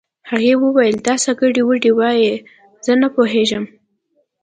هغې وويل چې دا څه ګډې وډې وايې زه نه پوهېږم